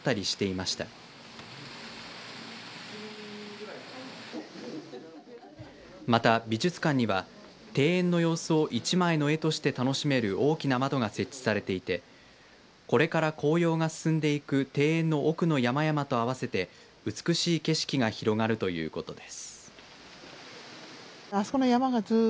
また、美術館には庭園の様子を一枚の絵として楽しめる大きな窓が設置されていてこれから紅葉が進んでいく庭園の奥の山々と合わせて美しい景色が広がるということです。